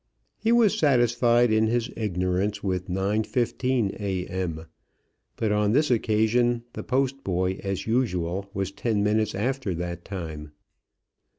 He was satisfied in his ignorance with 9.15 A.M., but on this occasion the post boy, as usual, was ten minutes after that time.